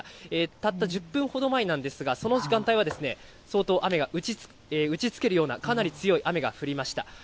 たった１０分ほど前なんですが、その時間帯はですね、相当雨が打ちつけるような、かなり強い雨が降りました。